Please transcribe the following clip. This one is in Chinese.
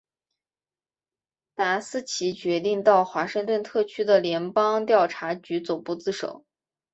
达斯奇决定到华盛顿特区的联邦调查局总部自首。